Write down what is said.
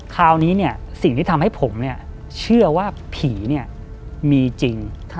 คราวนี้เนี่ยสิ่งที่ทำให้ผมเชื่อว่าผีมีจริง